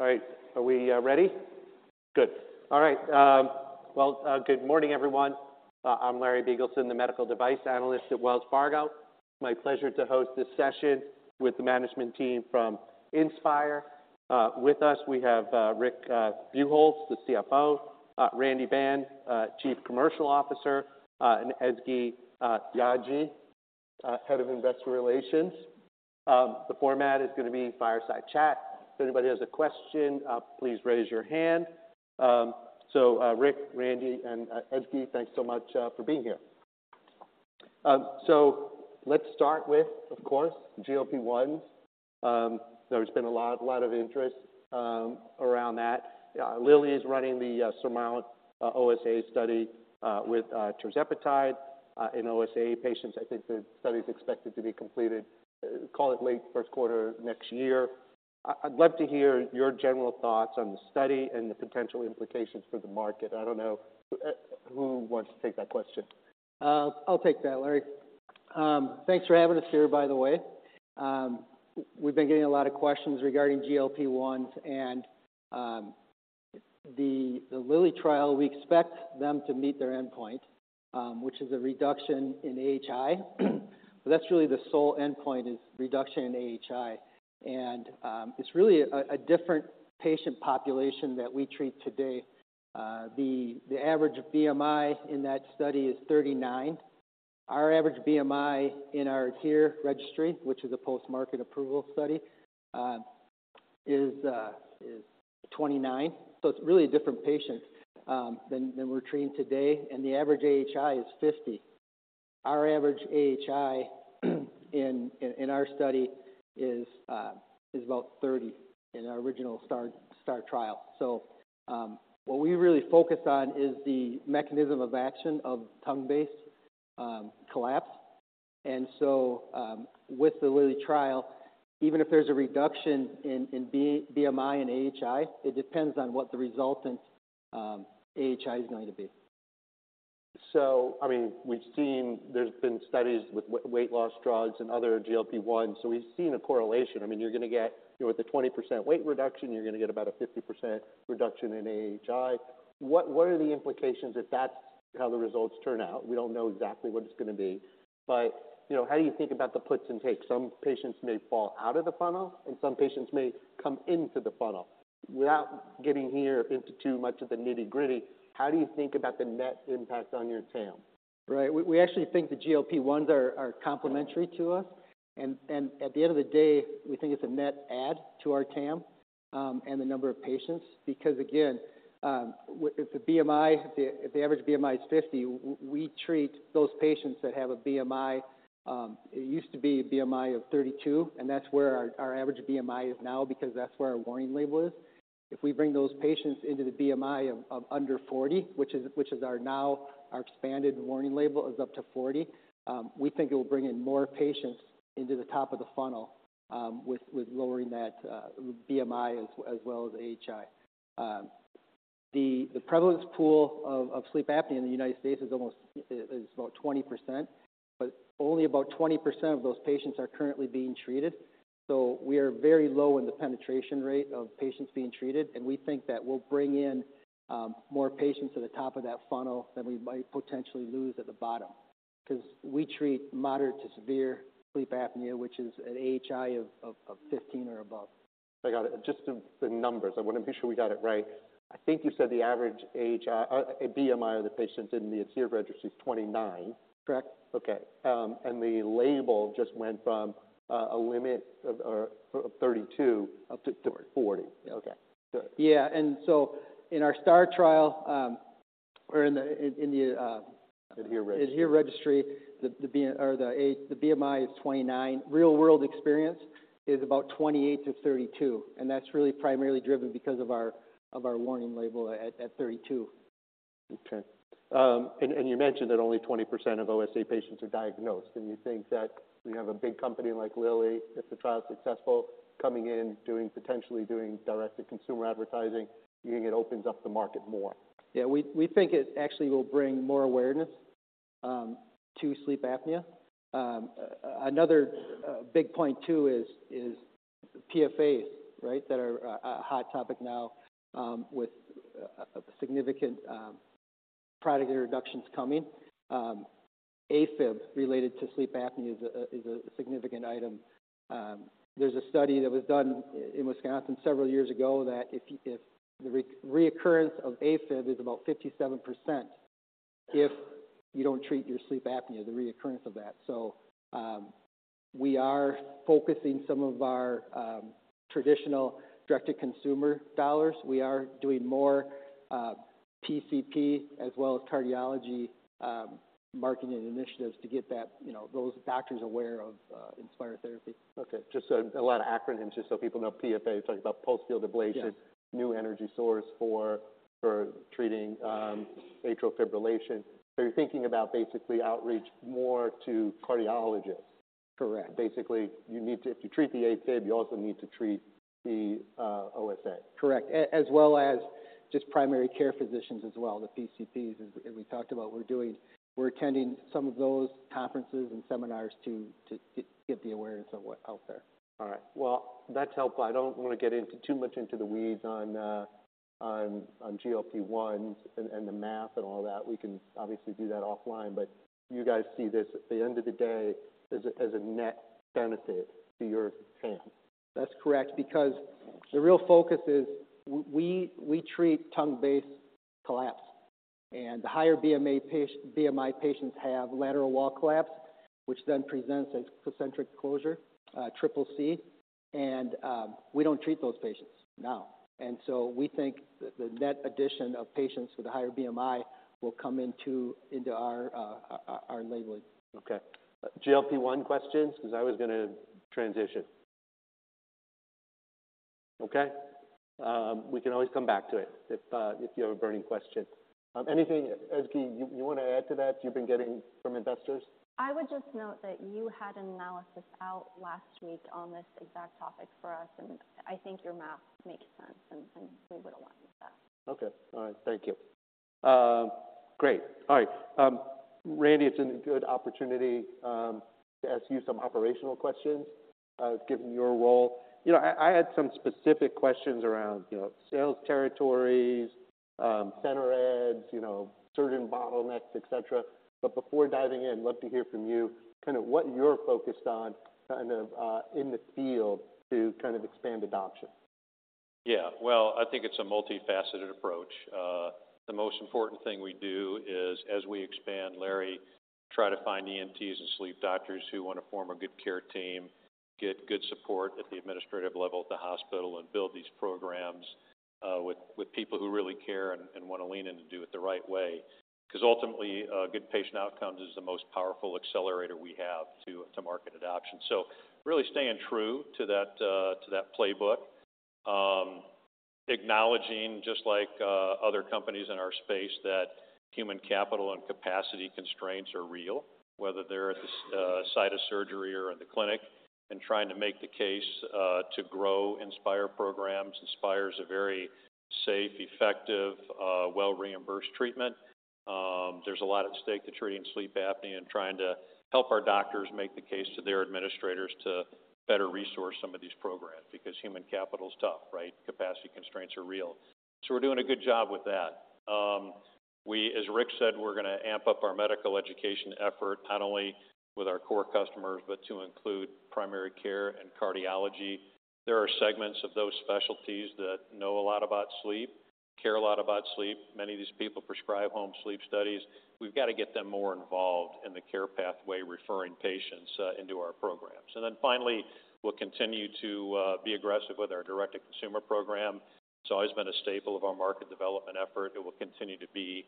All right, are we ready? Good. All right, well, good morning, everyone. I'm Larry Biegelsen, the medical device analyst at Wells Fargo. My pleasure to host this session with the management team from Inspire. With us, we have Rick Buchholz, the CFO, Randy Ban, Chief Commercial Officer, and Ezgi Yagci, Head of Investor Relations. The format is going to be fireside chat. If anybody has a question, please raise your hand. So, Rick, Randy, and Ezgi, thanks so much for being here. So let's start with, of course, GLP-1. There's been a lot, a lot of interest around that. Lilly is running the SURMOUNT-OSA study with tirzepatide in OSA patients. I think the study is expected to be completed, call it late first quarter next year. I'd love to hear your general thoughts on the study and the potential implications for the market. I don't know who wants to take that question. I'll take that, Larry. Thanks for having us here, by the way. We've been getting a lot of questions regarding GLP-1, and the Lilly trial, we expect them to meet their endpoint, which is a reduction in AHI. So that's really the sole endpoint, is reduction in AHI, and it's really a different patient population that we treat today. The average BMI in that study is 39. Our average BMI in our ADHERE registry, which is a post-market approval study, is 29. So it's really a different patient than we're treating today. The average AHI is 50. Our average AHI in our study is about 30 in our original STAR trial. So what we really focus on is the mechanism of action of tongue-based collapse. With the Lilly trial, even if there's a reduction in BMI and AHI, it depends on what the resultant AHI is going to be. So I mean, we've seen there's been studies with weight loss drugs and other GLP-1, so we've seen a correlation. I mean, you're gonna get... With a 20% weight reduction, you're gonna get about a 50% reduction in AHI. What, what are the implications if that's how the results turn out? We don't know exactly what it's gonna be, but, you know, how do you think about the puts and takes? Some patients may fall out of the funnel, and some patients may come into the funnel. Without getting here into too much of the nitty-gritty, how do you think about the net impact on your TAM? Right. We actually think the GLP-1s are complementary to us. And at the end of the day, we think it's a net add to our TAM, and the number of patients. Because, again, if the BMI, if the average BMI is 50, we treat those patients that have a BMI, it used to be a BMI of 32, and that's where our average BMI is now because that's where our warning label is. If we bring those patients into the BMI of under 40, which is now our expanded warning label is up to 40, we think it will bring in more patients into the top of the funnel, with lowering that BMI as well as AHI. The prevalence pool of sleep apnea in the United States is almost, is about 20%, but only about 20% of those patients are currently being treated. So we are very low in the penetration rate of patients being treated, and we think that we'll bring in more patients to the top of that funnel than we might potentially lose at the bottom. 'Cause we treat moderate to severe sleep apnea, which is an AHI of 15 or above. I got it. Just the numbers, I want to be sure we got it right. I think you said the average AHI, BMI of the patients in the ADHERE registry is 29. Correct. Okay. The label just went from a limit of 32 up to 40. Okay, good. Yeah, and so in our STAR trial, or in the Inspire registry. Inspire registry, the BMI is 29. Real-world experience is about 28-32, and that's really primarily driven because of our warning label at 32. Okay. And you mentioned that only 20% of OSA patients are diagnosed. And you think that we have a big company like Lilly, if the trial is successful, coming in, potentially doing direct-to-consumer advertising, you think it opens up the market more? Yeah, we think it actually will bring more awareness to sleep apnea. Another big point, too, is PFA, right? That are a hot topic now with significant product introductions coming. AFib related to sleep apnea is a significant item. There's a study that was done in Wisconsin several years ago that if the reoccurrence of AFib is about 57%, if you don't treat your sleep apnea, the reoccurrence of that. So, we are focusing some of our traditional direct-to-consumer dollars. We are doing more PCP as well as cardiology marketing initiatives to get that, you know, those doctors aware of Inspire therapy. Okay, just so a lot of acronyms, just so people know, PFA, talking about pulsed field ablation- Yeah... new energy source for treating atrial fibrillation. So you're thinking about basically outreach more to cardiologists? Correct. Basically, you need to. If you treat the AFib, you also need to treat the OSA. Correct. As well as just primary care physicians as well, the PCPs, as we talked about. We're attending some of those conferences and seminars to get the awareness of what's out there. All right. Well, that's helpful. I don't want to get into too much into the weeds on GLP-1 and the math and all that. We can obviously do that offline, but you guys see this at the end of the day as a net benefit to your TAM. That's correct. Because the real focus is we treat tongue-based collapse, and the higher BMI patients have lateral wall collapse, which then presents as concentric closure, triple C, and we don't treat those patients now. And so we think that the net addition of patients with a higher BMI will come into our labeling. Okay. GLP-1 questions? 'Cause I was gonna transition. Okay, we can always come back to it if you have a burning question. Anything, Ezgi, you want to add to that you've been getting from investors? I would just note that you had an analysis out last week on this exact topic for us, and I think your math makes sense, and we would align with that. Okay. All right, thank you. Great. All right, Randy, it's a good opportunity to ask you some operational questions, given your role. You know, I, I had some specific questions around, you know, sales territories, center adds, you know, certain bottlenecks, et cetera. But before diving in, love to hear from you, kind of what you're focused on, kind of, in the field to kind of expand adoption. Yeah. Well, I think it's a multifaceted approach. The most important thing we do is, as we expand, Larry, try to find ENTs and sleep doctors who want to form a good care team, get good support at the administrative level at the hospital, and build these programs, with, with people who really care and, and want to lean in to do it the right way. 'Cause ultimately, good patient outcomes is the most powerful accelerator we have to, to market adoption. So really staying true to that, to that playbook. Acknowledging, just like, other companies in our space, that human capital and capacity constraints are real, whether they're at the, site of surgery or in the clinic, and trying to make the case, to grow Inspire programs. Inspire is a very safe, effective, well-reimbursed treatment. There's a lot at stake to treating sleep apnea and trying to help our doctors make the case to their administrators to better resource some of these programs because human capital is tough, right? Capacity constraints are real. So we're doing a good job with that. We, as Rick said, we're going to amp up our medical education effort, not only with our core customers, but to include primary care and cardiology. There are segments of those specialties that know a lot about sleep, care a lot about sleep. Many of these people prescribe home sleep studies. We've got to get them more involved in the care pathway, referring patients into our programs. And then finally, we'll continue to be aggressive with our direct-to-consumer program. It's always been a staple of our market development effort. It will continue to be.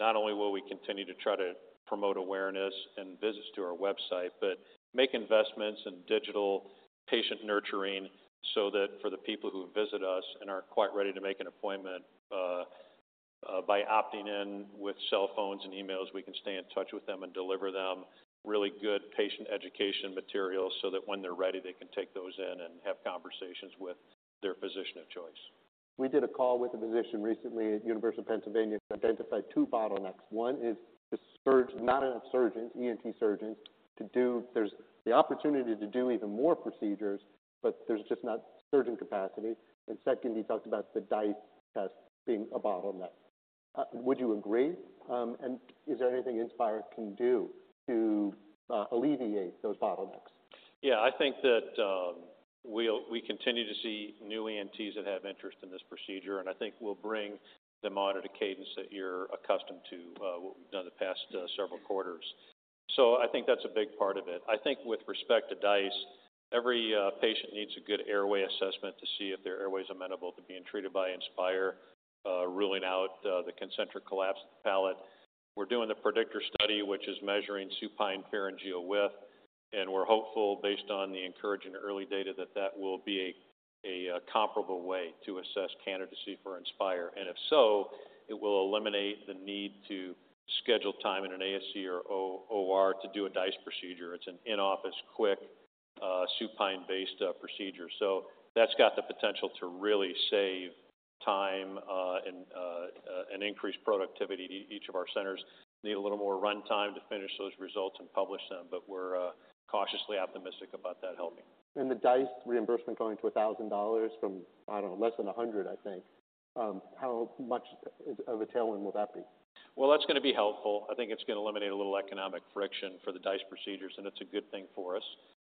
Not only will we continue to try to promote awareness and visits to our website, but make investments in digital patient nurturing so that for the people who visit us and aren't quite ready to make an appointment, by opting in with cell phones and emails, we can stay in touch with them and deliver them really good patient education materials. So that when they're ready, they can take those in and have conversations with their physician of choice. We did a call with a physician recently at University of Pennsylvania, identified two bottlenecks. One is the surge, not enough surgeons, ENT surgeons, to do... There's the opportunity to do even more procedures, but there's just not surgeon capacity. And second, he talked about the DISE test being a bottleneck. Would you agree? And is there anything Inspire can do to alleviate those bottlenecks? Yeah, I think that, we'll we continue to see new ENTs that have interest in this procedure, and I think we'll bring them on at a cadence that you're accustomed to, what we've done the past, several quarters. So I think that's a big part of it. I think with respect to DISE, every patient needs a good airway assessment to see if their airway is amenable to being treated by Inspire, ruling out the concentric collapsed palate. We're doing the PREDICTOR study, which is measuring supine pharyngeal width, and we're hopeful, based on the encouraging early data, that that will be a comparable way to assess candidacy for Inspire. And if so, it will eliminate the need to schedule time in an ASC or OR to do a DISE procedure. It's an in-office, quick, supine-based procedure, so that's got the potential to really save time, and increase productivity. Each of our centers need a little more run time to finish those results and publish them, but we're cautiously optimistic about that helping. The DISE reimbursement going to $1,000 from, I don't know, less than 100, I think, how much of a tailwind will that be? Well, that's going to be helpful. I think it's going to eliminate a little economic friction for the DISE procedures, and it's a good thing for us.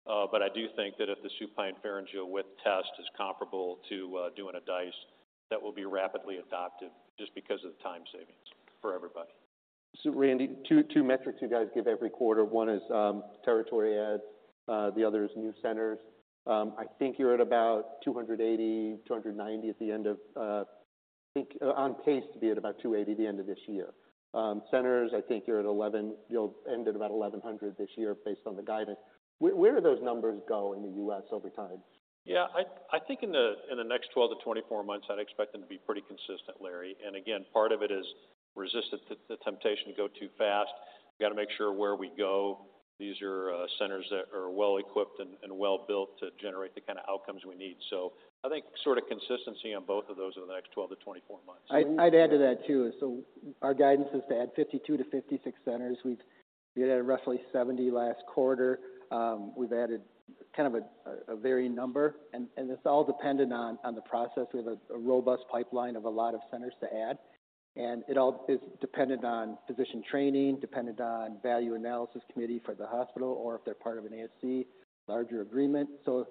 But I do think that if the supine pharyngeal width test is comparable to doing a DISE, that will be rapidly adopted just because of the time savings for everybody. So Randy, two metrics you guys give every quarter. One is territory adds, the other is new centers. I think you're at about 280, 290 at the end of, I think on pace to be at about 280 the end of this year. Centers, I think you're at 11. You'll end at about 1,100 this year based on the guidance. Where do those numbers go in the U.S. over time? Yeah, I think in the next 12-24 months, I'd expect them to be pretty consistent, Larry. And again, part of it is resist the temptation to go too fast. We've got to make sure where we go, these are centers that are well-equipped and well-built to generate the kind of outcomes we need. So I think sort of consistency on both of those in the next 12-24 months. I'd add to that too. So our guidance is to add 52-56 centers. We've added roughly 70 last quarter. We've added kind of a varying number, and it's all dependent on the process. We have a robust pipeline of a lot of centers to add, and it all is dependent on physician training, dependent on value analysis committee for the hospital, or if they're part of an ASC, larger agreement. So,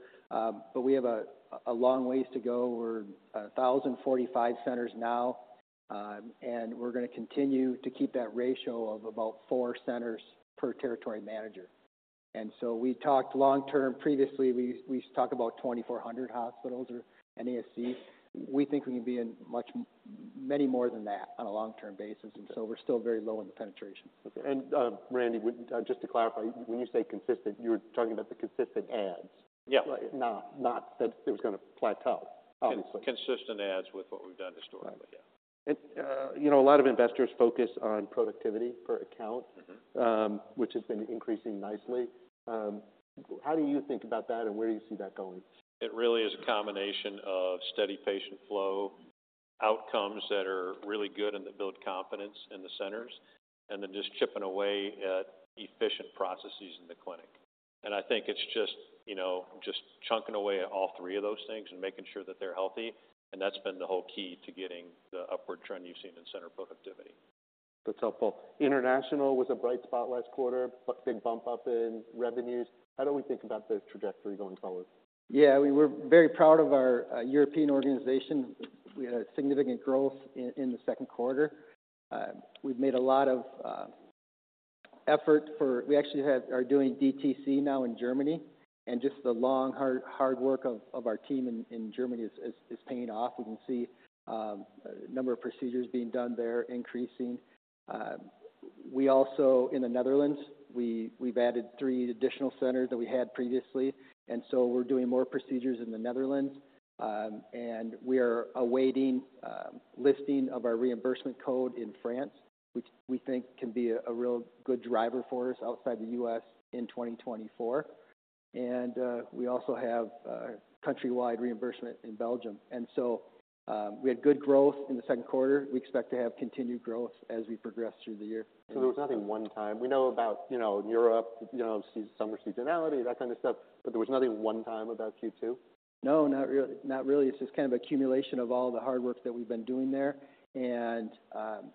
but we have a long ways to go. We're at 1,045 centers now, and we're gonna continue to keep that ratio of about four centers per territory manager. And so we talked long term... Previously, we talked about 2,400 hospitals or an ASC. We think we can be in many more than that on a long-term basis, and so we're still very low in the penetration. Okay. And, Randy, just to clarify, when you say consistent, you're talking about the consistent adds? Yeah. Not, not that it was gonna plateau. Consistent adds with what we've done historically, yeah. It's, you know, a lot of investors focus on productivity per account- Mm-hmm. which has been increasing nicely. How do you think about that, and where do you see that going? It really is a combination of steady patient flow, outcomes that are really good and that build confidence in the centers, and then just chipping away at efficient processes in the clinic. And I think it's just, you know, just chunking away at all three of those things and making sure that they're healthy, and that's been the whole key to getting the upward trend you've seen in center productivity. That's helpful. International was a bright spot last quarter, but big bump up in revenues. How do we think about the trajectory going forward? Yeah, we're very proud of our European organization. We had a significant growth in the second quarter. We've made a lot of effort for... We actually are doing DTC now in Germany, and just the long, hard work of our team in Germany is paying off. We can see number of procedures being done there increasing. We also, in the Netherlands, we've added three additional centers that we had previously, and so we're doing more procedures in the Netherlands. And we are awaiting listing of our reimbursement code in France, which we think can be a real good driver for us outside the U.S. in 2024. And we also have countrywide reimbursement in Belgium, and so we had good growth in the second quarter. We expect to have continued growth as we progress through the year. So there was nothing one-time. We know about, you know, Europe, you know, we see summer seasonality, that kind of stuff, but there was nothing one-time about Q2? No, not really. Not really. It's just kind of accumulation of all the hard work that we've been doing there. And,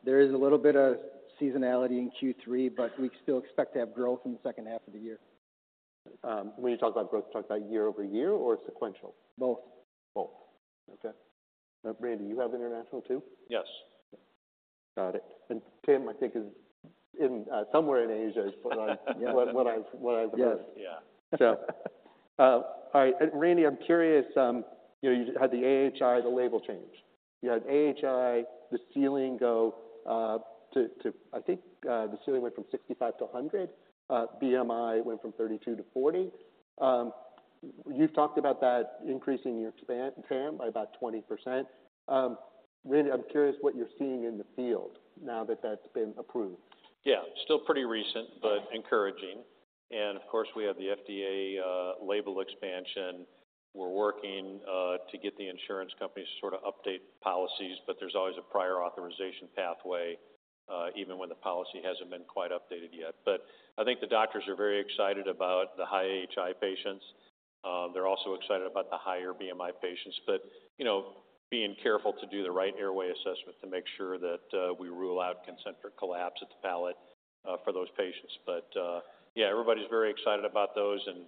there is a little bit of seasonality in Q3, but we still expect to have growth in the second half of the year. When you talk about growth, you talk about year-over-year or sequential? Both. Both. Okay. Randy, you have international, too? Yes. Got it. And Tim, I think, is in somewhere in Asia, from what I've learned. Yes. Yeah. So, all right. Randy, I'm curious, you know, you had the AHI, the label change. You had AHI, the ceiling go to, to... I think, the ceiling went from 65-100. BMI went from 32-40. You've talked about that increasing your expand- TAM by about 20%. Randy, I'm curious what you're seeing in the field now that that's been approved. Yeah, still pretty recent, but encouraging. And of course, we have the FDA label expansion. We're working to get the insurance companies to sort of update policies, but there's always a prior authorization pathway, even when the policy hasn't been quite updated yet. But I think the doctors are very excited about the high AHI patients. They're also excited about the higher BMI patients, but, you know, being careful to do the right airway assessment to make sure that we rule out concentric collapse at the palate for those patients. But yeah, everybody's very excited about those, and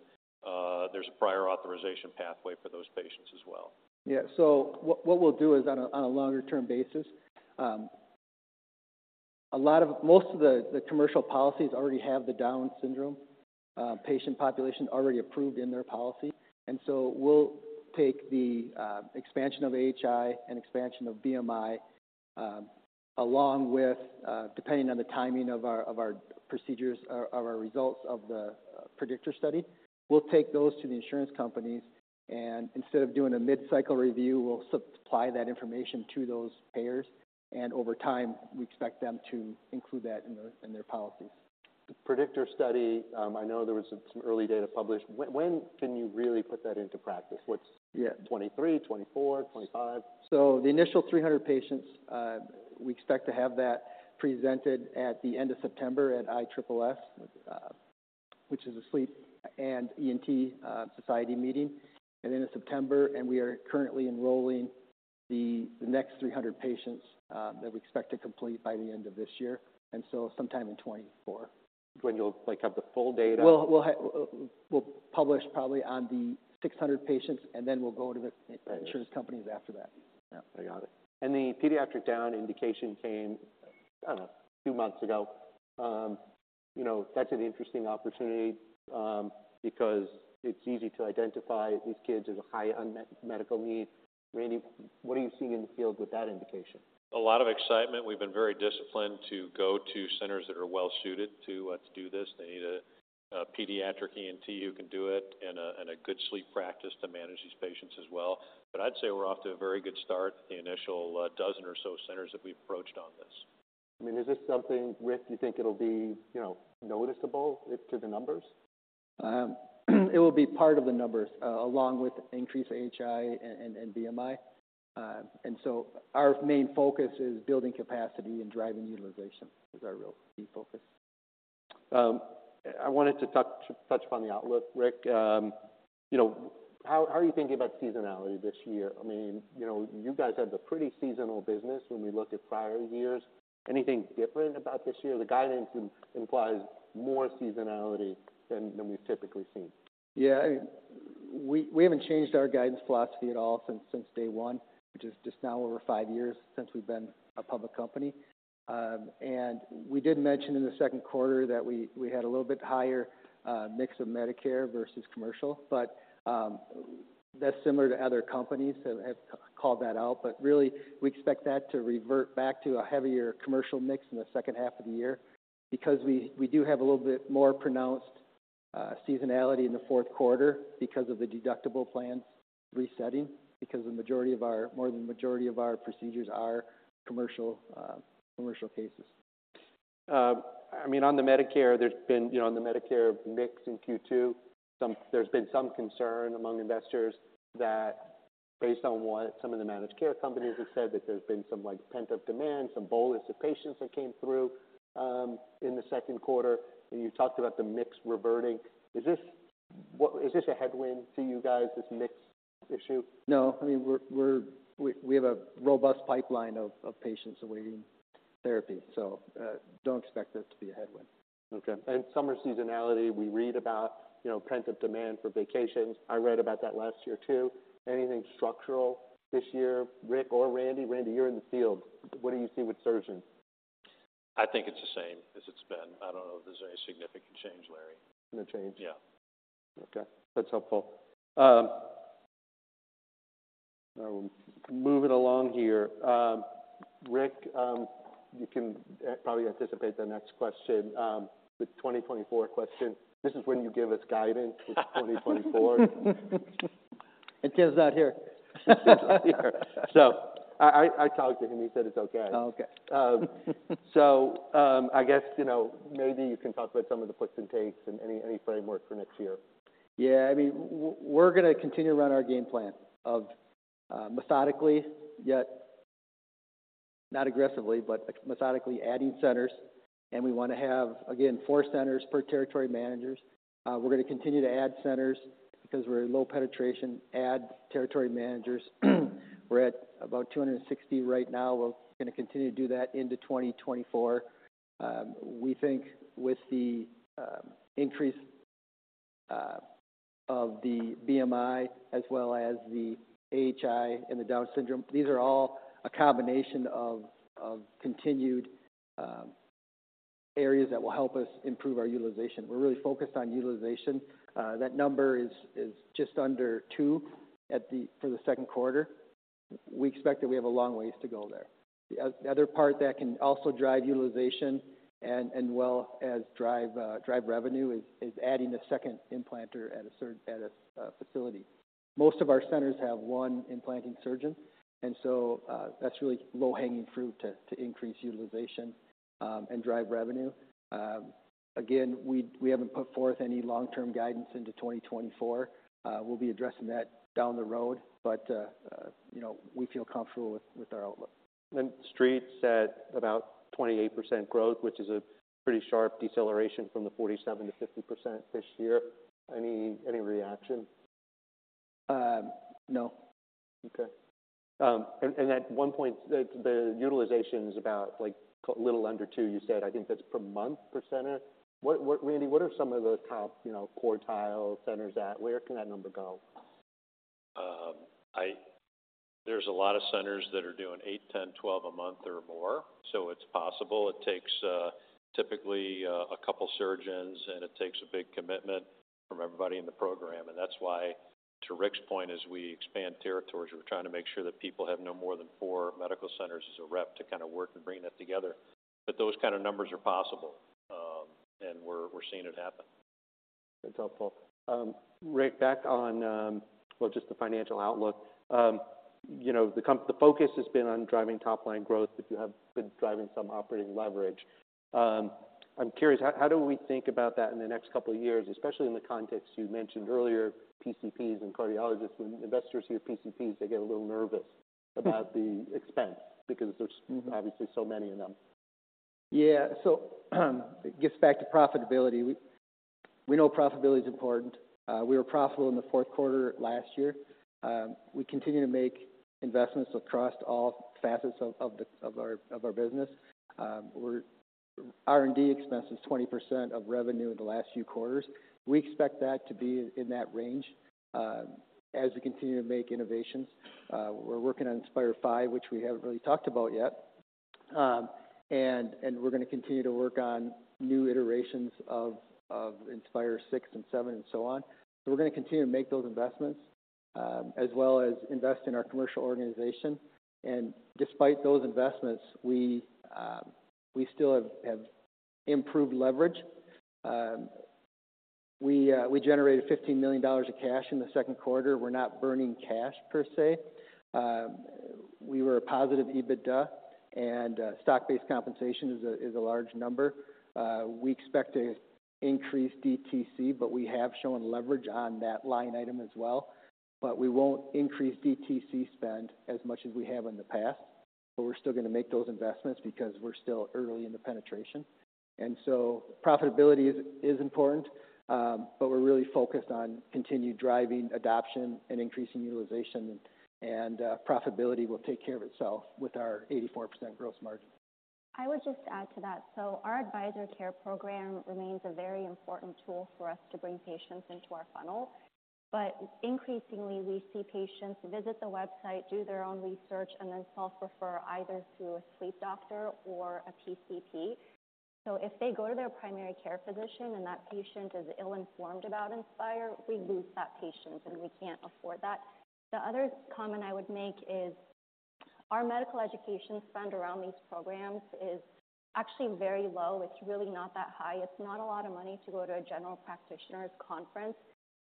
there's a prior authorization pathway for those patients as well. Yeah. So what we'll do is, on a longer-term basis, a lot of... Most of the commercial policies already have the Down syndrome patient population already approved in their policy. And so we'll take the expansion of AHI and expansion of BMI, along with, depending on the timing of our procedures or of our results of the PREDICTOR study, we'll take those to the insurance companies, and instead of doing a mid-cycle review, we'll supply that information to those payers. And over time, we expect them to include that in their policies. The PREDICTOR study, I know there was some early data published. When can you really put that into practice? What's- Yeah. -2023, 2024, 2025? So the initial 300 patients, we expect to have that presented at the end of September at ISSS, which is a sleep and ENT society meeting at the end of September, and we are currently enrolling the next 300 patients that we expect to complete by the end of this year, and so sometime in 2024. When you'll, like, have the full data? We'll publish probably on the 600 patients, and then we'll go to the- Got it. insurance companies after that. Yeah, I got it. And the pediatric Down indication came, I don't know, two months ago. You know, that's an interesting opportunity, because it's easy to identify these kids with a high unmet medical need. Randy, what are you seeing in the field with that indication? A lot of excitement. We've been very disciplined to go to centers that are well-suited to do this. They need a pediatric ENT who can do it, and a good sleep practice to manage these patients as well. But I'd say we're off to a very good start, the initial dozen or so centers that we've approached on this. I mean, is this something, Rick, you think it'll be, you know, noticeable in the numbers? It will be part of the numbers, along with increased AHI and BMI. And so our main focus is building capacity and driving utilization, is our real key focus. I wanted to touch upon the outlook, Rick. You know, how are you thinking about seasonality this year? I mean, you know, you guys have a pretty seasonal business when we look at prior years. Anything different about this year? The guidance implies more seasonality than we've typically seen. Yeah, I mean, we haven't changed our guidance philosophy at all since day one, which is just now over five years since we've been a public company. And we did mention in the second quarter that we had a little bit higher mix of Medicare versus commercial, but that's similar to other companies that have called that out. But really, we expect that to revert back to a heavier commercial mix in the second half of the year. Because we do have a little bit more pronounced seasonality in the fourth quarter because of the deductible plan resetting, because the majority of our... More than majority of our procedures are commercial, commercial cases. I mean, on the Medicare, there's been, you know, on the Medicare mix in Q2, there's been some concern among investors that based on what some of the managed care companies have said, that there's been some, like, pent-up demand, some bolus of patients that came through, in the second quarter. And you talked about the mix reverting. Is this what...? Is this a headwind to you guys, this mix issue? No. I mean, we have a robust pipeline of patients awaiting therapy, so don't expect this to be a headwind. Okay. And summer seasonality, we read about, you know, pent-up demand for vacations. I read about that last year, too. Anything structural this year, Rick or Randy? Randy, you're in the field. What do you see with surgeons? I think it's the same as it's been. I don't know if there's any significant change, Larry. No change? Yeah. Okay, that's helpful. Now moving along here, Rick, you can probably anticipate the next question. The 2024 question. This is when you give us guidance for 2024. Tim's not here. He's not here. So I talked to him. He said it's okay. Oh, okay. I guess, you know, maybe you can talk about some of the flexes and takes and any framework for next year. Yeah, I mean, we're gonna continue to run our game plan of, methodically, yet not aggressively, but methodically adding centers. And we want to have, again, four centers per territory managers. We're gonna continue to add centers because we're low penetration, add territory managers. We're at about 260 right now. We're gonna continue to do that into 2024. We think with the, increase, of the BMI, as well as the AHI and the Down syndrome, these are all a combination of, of continued, areas that will help us improve our utilization. We're really focused on utilization. That number is, is just under two at the, for the second quarter. We expect that we have a long ways to go there. The other part that can also drive utilization and as well as drive revenue is adding a second implanter at a facility. Most of our centers have one implanting surgeon, and so that's really low-hanging fruit to increase utilization and drive revenue. Again, we haven't put forth any long-term guidance into 2024. We'll be addressing that down the road, but you know, we feel comfortable with our outlook. Street said about 28% growth, which is a pretty sharp deceleration from the 47%-50% this year. Any reaction? Um, no. Okay. And at one point, the utilization's about, like, little under two, you said. I think that's per month, per center. Randy, what are some of the top, you know, quartile centers at? Where can that number go? There's a lot of centers that are doing Eight, 10, 12 a month or more, so it's possible. It takes, typically, a couple surgeons, and it takes a big commitment from everybody in the program. And that's why, to Rick's point, as we expand territories, we're trying to make sure that people have no more than four medical centers as a rep to kind of work and bring that together. But those kind of numbers are possible, and we're, we're seeing it happen. That's helpful. Rick, back on, well, just the financial outlook. You know, the focus has been on driving top-line growth, but you have been driving some operating leverage. I'm curious, how do we think about that in the next couple of years, especially in the context you mentioned earlier, PCPs and cardiologists and investors who have PCPs, they get a little nervous- Mm-hmm. about the expense because there's Mm-hmm. Obviously so many of them. Yeah. So, it gets back to profitability. We know profitability is important. We were profitable in the fourth quarter last year. We continue to make investments across all facets of our business. We're... R&D expense is 20% of revenue in the last few quarters. We expect that to be in that range as we continue to make innovations. We're working on Inspire V, which we haven't really talked about yet... And we're going to continue to work on new iterations of Inspire VI and VII, and so on. So we're going to continue to make those investments as well as invest in our commercial organization. And despite those investments, we still have improved leverage. We generated $15 million of cash in the second quarter. We're not burning cash per se. We were a positive EBITDA, and stock-based compensation is a large number. We expect to increase DTC, but we have shown leverage on that line item as well. But we won't increase DTC spend as much as we have in the past, but we're still going to make those investments because we're still early in the penetration. And so profitability is important, but we're really focused on continued driving adoption and increasing utilization, and profitability will take care of itself with our 84% gross margin. I would just add to that. So our Advisor Care program remains a very important tool for us to bring patients into our funnel. But increasingly, we see patients visit the website, do their own research, and then self-refer either to a sleep doctor or a PCP. So if they go to their primary care physician and that patient is ill-informed about Inspire, we lose that patient, and we can't afford that. The other comment I would make is our medical education spend around these programs is actually very low. It's really not that high. It's not a lot of money to go to a general practitioner's conference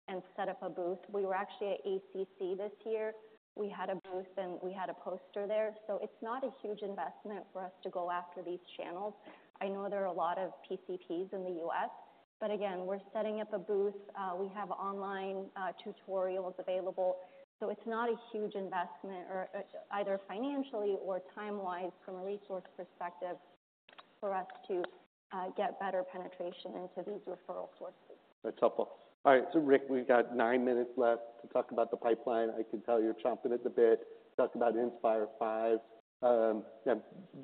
and set up a booth. We were actually at ACC this year. We had a booth, and we had a poster there. So it's not a huge investment for us to go after these channels. I know there are a lot of PCPs in the U.S., but again, we're setting up a booth. We have online tutorials available. So it's not a huge investment or it's either financially or time-wise, from a resource perspective, for us to get better penetration into these referral sources. That's helpful. All right, so Rick, we've got nine minutes left to talk about the pipeline. I can tell you're chomping at the bit. Talk about Inspire V.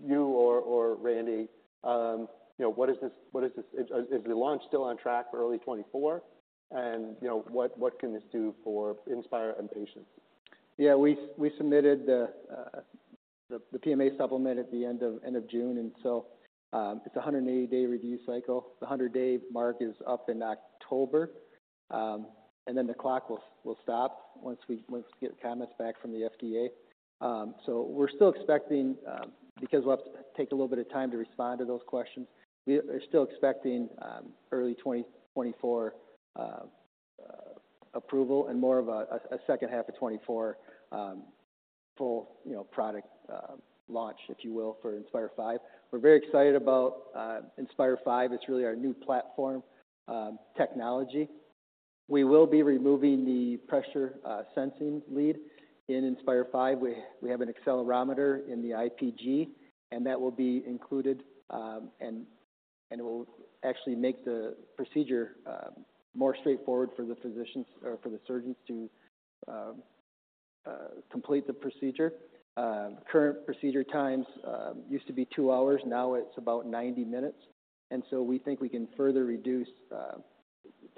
You or Randy, you know, what is this? Is the launch still on track for early 2024? And, you know, what can this do for Inspire and patients? Yeah, we submitted the PMA supplement at the end of June, and so it's a 180-day review cycle. The 100-day mark is up in October. And then the clock will stop once we get comments back from the FDA. So we're still expecting, because we'll have to take a little bit of time to respond to those questions. We are still expecting early 2024 approval and more of a second half of 2024 full, you know, product launch, if you will, for Inspire V. We're very excited about Inspire V. It's really our new platform technology. We will be removing the pressure sensing lead in Inspire V. We have an accelerometer in the IPG, and that will be included. And it will actually make the procedure more straightforward for the physicians or for the surgeons to complete the procedure. Current procedure times used to be 2 hours, now it's about 90 minutes, and so we think we can further reduce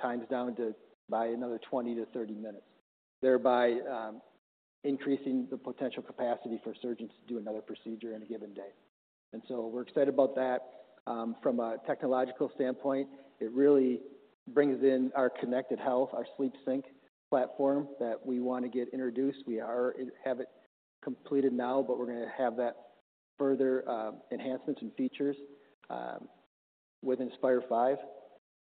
times down to by another 20-30 minutes, thereby increasing the potential capacity for surgeons to do another procedure in a given day. And so we're excited about that. From a technological standpoint, it really brings in our connected health, our SleepSync platform, that we want to get introduced. We have it completed now, but we're going to have that further enhancements and features with Inspire V.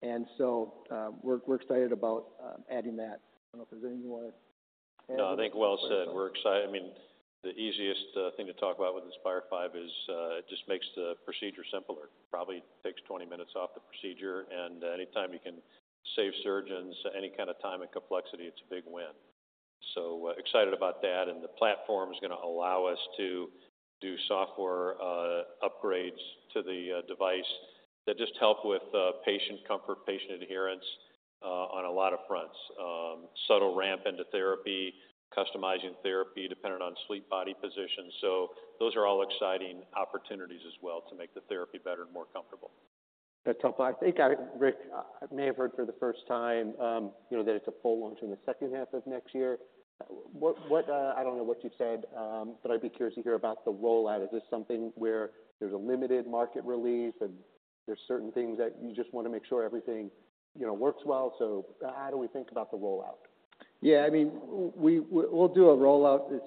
And so we're excited about adding that. I don't know if there's any more- No, I think well said. We're excited. I mean, the easiest thing to talk about with Inspire V is it just makes the procedure simpler. Probably takes 20 minutes off the procedure, and anytime you can save surgeons any kind of time and complexity, it's a big win. So, excited about that. And the platform is going to allow us to do software upgrades to the device that just help with patient comfort, patient adherence on a lot of fronts. Subtle ramp into therapy, customizing therapy dependent on sleep body positions. So those are all exciting opportunities as well to make the therapy better and more comfortable. That's helpful. I think I, Rick, I may have heard for the first time, you know, that it's a full launch in the second half of next year. What, I don't know what you've said, but I'd be curious to hear about the rollout. Is this something where there's a limited market release, and there's certain things that you just want to make sure everything, you know, works well? So how do we think about the rollout? Yeah, I mean, we'll do a rollout. It's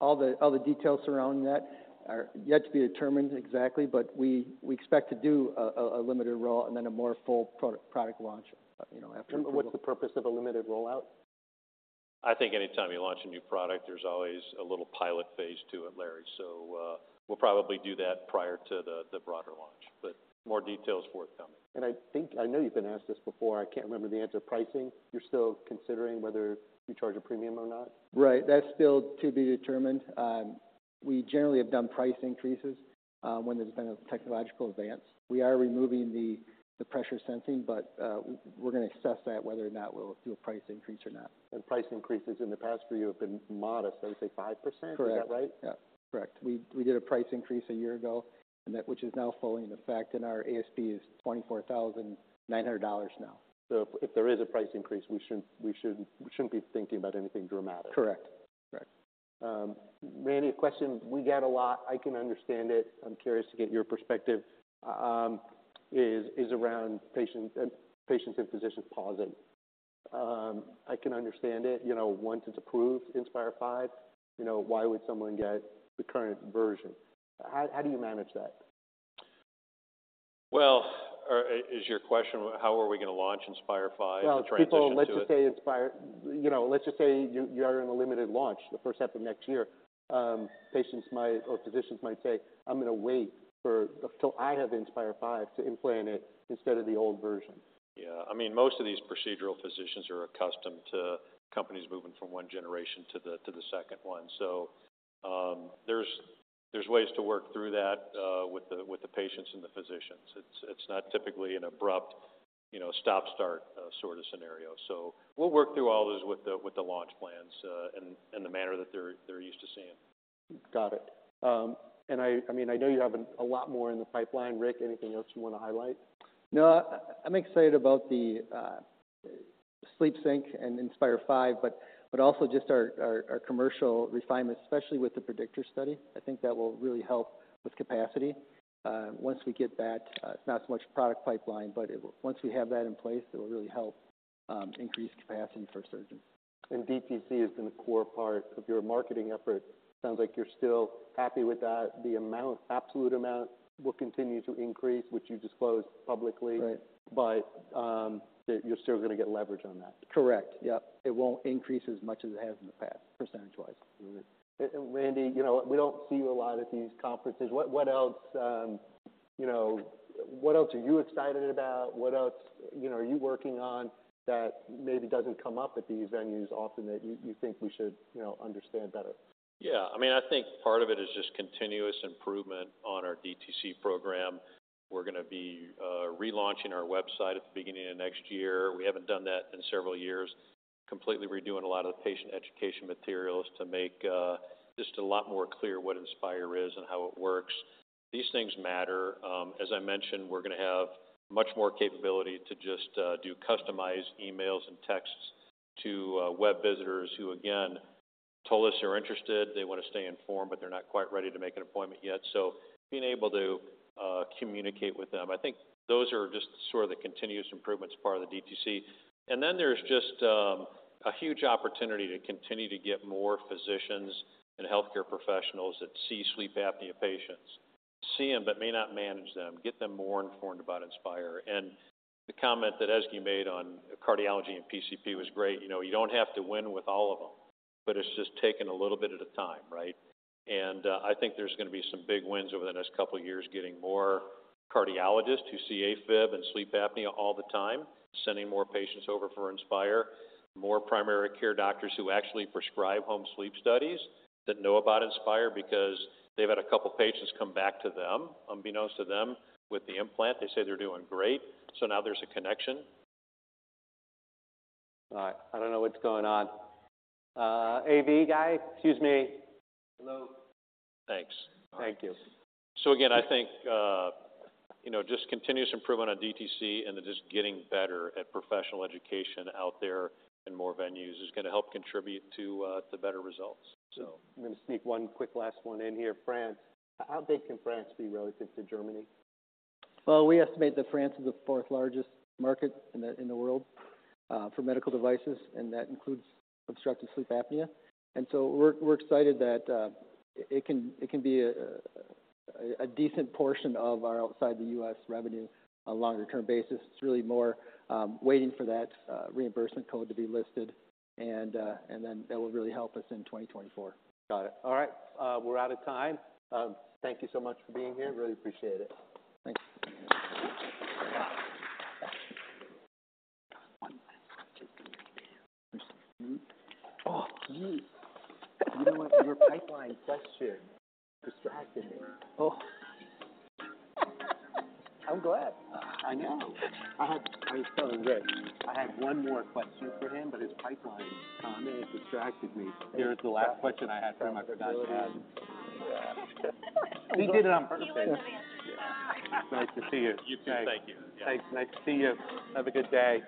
all the details surrounding that are yet to be determined exactly, but we expect to do a limited rollout and then a more full product launch, you know, after- What's the purpose of a limited rollout? I think anytime you launch a new product, there's always a little pilot phase to it, Larry. So, we'll probably do that prior to the broader launch, but more details forthcoming. I think I know you've been asked this before, I can't remember the answer. Pricing, you're still considering whether you charge a premium or not? Right. That's still to be determined. We generally have done price increases when there's been a technological advance. We are removing the pressure sensing, but we're going to assess that, whether or not we'll do a price increase or not. Price increases in the past for you have been modest. I would say 5%? Correct. Is that right? Yeah, correct. We did a price increase a year ago, and that which is now fully in effect, and our ASP is $24,900 now. So if there is a price increase, we shouldn't be thinking about anything dramatic? Correct. Right. Randy, a question we get a lot. I can understand it. I'm curious to get your perspective. Is around patients and physicians pausing. I can understand it, you know, once it's approved Inspire V, you know, why would someone get the current version? How do you manage that? Well, is your question, how are we going to launch Inspire V to transition to it? Well, people, let's just say Inspire. You know, let's just say you are in a limited launch the first half of next year. Patients might, or physicians might say, "I'm going to wait until I have Inspire V to implant it instead of the old version. Yeah. I mean, most of these procedural physicians are accustomed to companies moving from one generation to the second one. So, there's ways to work through that, with the patients and the physicians. It's not typically an abrupt, you know, stop, start sort of scenario. So we'll work through all this with the launch plans, and the manner that they're used to seeing. Got it. And I mean, I know you have a lot more in the pipeline. Rick, anything else you want to highlight? No, I'm excited about the SleepSync and Inspire V, but also just our commercial refinements, especially with the PREDICTOR study. I think that will really help with capacity once we get that. It's not so much product pipeline, but it... Once we have that in place, it will really help increase capacity for surgeons. DTC has been a core part of your marketing effort. Sounds like you're still happy with that. The amount, absolute amount will continue to increase, which you disclosed publicly. Right. But, you're still going to get leverage on that? Correct. Yep. It won't increase as much as it has in the past, percentage-wise. Randy, you know, we don't see you a lot at these conferences. What else, you know, what else are you excited about? What else, you know, are you working on that maybe doesn't come up at these venues often that you think we should, you know, understand better? Yeah, I mean, I think part of it is just continuous improvement on our DTC program. We're going to be relaunching our website at the beginning of next year. We haven't done that in several years. Completely redoing a lot of the patient education materials to make just a lot more clear what Inspire is and how it works. These things matter. As I mentioned, we're going to have much more capability to just do customized emails and texts to web visitors who, again, told us they're interested, they want to stay informed, but they're not quite ready to make an appointment yet. So being able to communicate with them, I think those are just sort of the continuous improvements part of the DTC. And then there's just a huge opportunity to continue to get more physicians and healthcare professionals that see sleep apnea patients, see them, but may not manage them, get them more informed about Inspire. And the comment that Ezgi made on cardiology and PCP was great. You know, you don't have to win with all of them, but it's just taking a little bit at a time, right? And I think there's going to be some big wins over the next couple of years, getting more cardiologists who see AFib and sleep apnea all the time, sending more patients over for Inspire. More primary care doctors who actually prescribe home sleep studies that know about Inspire because they've had a couple of patients come back to them, unbeknownst to them, with the implant. They say they're doing great, so now there's a connection. All right. I don't know what's going on. AV guy? Excuse me. Hello. Thanks. Thank you. So again, I think, you know, just continuous improvement on DTC and then just getting better at professional education out there in more venues is going to help contribute to better results. So... I'm going to sneak one quick last one in here. France. How big can France be relative to Germany? Well, we estimate that France is the fourth largest market in the world for medical devices, and that includes obstructive sleep apnea. And so we're excited that it can be a decent portion of our outside the U.S. revenue on a longer-term basis. It's really more waiting for that reimbursement code to be listed and then that will really help us in 2024. Got it. All right. We're out of time. Thank you so much for being here. Really appreciate it. Thanks. Oh, gee! You know what? Your pipeline question distracted me. Oh. I'm glad. I know. I had... I was telling Rick I had one more question for him, but his pipeline comment distracted me. Here's the last question I had for him. I forgot to ask. He did it on purpose. Yeah. Nice to see you. You too. Thank you. Thanks. Nice to see you. Have a good day.